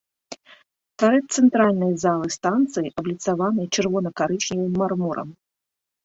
Тарэц цэнтральнай залы станцыі абліцаваны чырвона-карычневым мармурам.